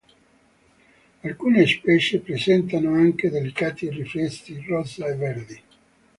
Alcune specie presentano anche delicati riflessi rosa e verdi.